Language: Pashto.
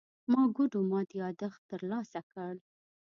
ما ګوډو مات يادښت ترلاسه کړ.